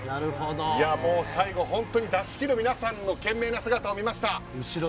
最後、出し切る皆さんの懸命な姿を見ました。